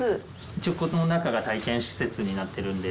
一応この中が体験施設になってるんで。